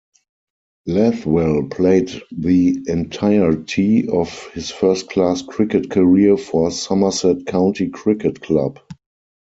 Lathwell played the entirety of his first-class cricket career for Somerset County Cricket Club.